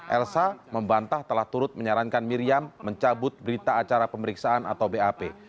elsa membantah telah turut menyarankan miriam mencabut berita acara pemeriksaan atau bap